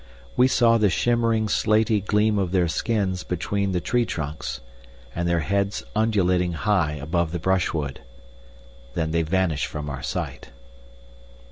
We saw the shimmering slaty gleam of their skins between the tree trunks, and their heads undulating high above the brush wood. Then they vanished from our sight.